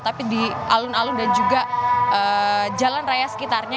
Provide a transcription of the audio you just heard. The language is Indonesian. tapi di alun alun dan juga jalan raya sekitarnya